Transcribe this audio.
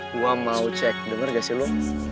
gua mau cek denger gak sih lo